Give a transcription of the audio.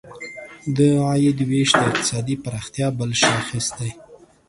د عاید ویش د اقتصادي پراختیا بل شاخص دی.